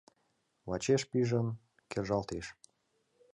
Вачеш пижын, кержалтеш: